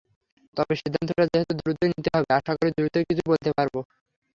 তবে সিদ্ধান্তটা যেহেতু দ্রুতই নিতে হবে, আশা করি দ্রুতই কিছু বলতে পারব।